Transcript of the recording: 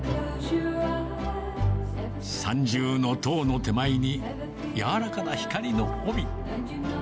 三重の塔の手前に、柔らかな光の帯。